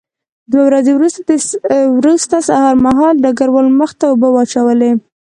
دوه ورځې وروسته سهار مهال ډګروال مخ ته اوبه واچولې